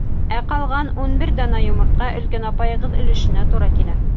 Ә ҡалған ун бер дана йомортҡа өлкән апайығыҙ өлөшөнә тура килә.